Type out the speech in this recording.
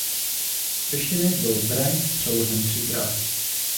Do češtiny byl "Brand" přeložen třikrát.